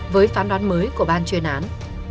với phán đoán mới của ban chuyên án